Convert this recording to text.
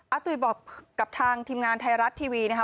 ตุ๋ยบอกกับทางทีมงานไทยรัฐทีวีนะคะ